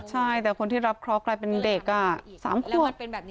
ใช่แต่คนที่รับเคราะห์กลายเป็นเด็ก๓ขวบ